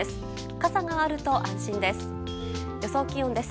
傘があると安心です。